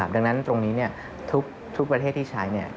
ดังนั้นตรงนี้ทุกประเทศที่ใช้